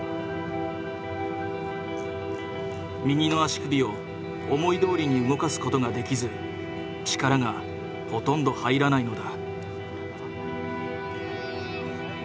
右の足首を思いどおりに動かすことができず力がほとんど入らないのだ。